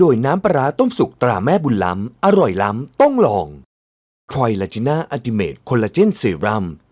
จะเอาอย่างนี้จะเอาอย่างนั้นดูแล้วคงไม่รอดเพราะเราคู่กัน